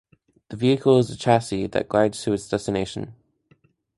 The vehicle is a chassis that glides to its destination.